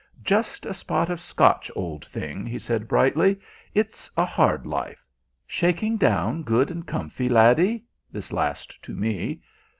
"Just a spot of Scotch, old thing!" he said brightly. "It's a hard life. Shaking down good and comfy, laddie?" this last to me.